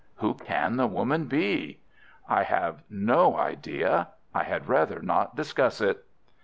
"Who can the woman be?" "I have no idea. I had rather not discuss it."